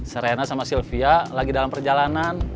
serena sama sylvia lagi dalam perjalanan